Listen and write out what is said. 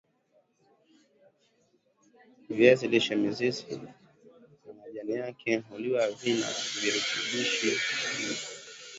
viazi lishe mizizi na majani yake huliwa vina virutubishi vingi